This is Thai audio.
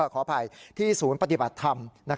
ขออภัยที่ศูนย์ปฏิบัติธรรม